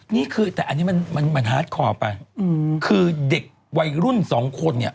นี่คือแต่อันนี้มันมันฮาร์ดคอไปคือเด็กวัยรุ่นสองคนเนี่ย